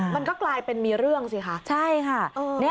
มันก็กลายเป็นมีเรื่องสิคะใช่ค่ะ